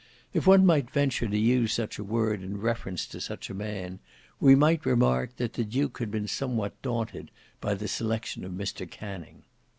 If one might venture to use such a word in reference to such a man, we might remark, that the duke had been somewhat daunted by the selection of Mr Canning.